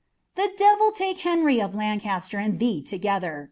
e devil take llt^nry of Lancaster and thee together